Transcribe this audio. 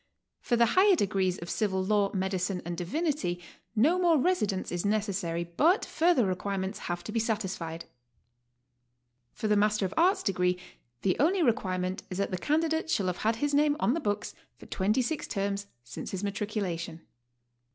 For the higher degrees of Civil Law, Medicine, and Divinity, no more residence is necessary, but further requirements have to be satisfied. For the M. A. degree the only requirement HOW TO STAY. *59 is that the candidate shall have had his name on the books for twenty six terms since his matriculation.